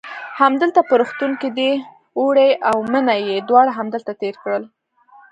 همدلته په روغتون کې دی، اوړی او منی یې دواړه همدلته تېر کړل.